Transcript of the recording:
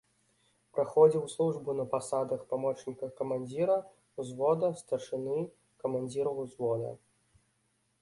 Праходзіў службу на пасадах памочніка камандзіра ўзвода, старшыны, камандзіра ўзвода.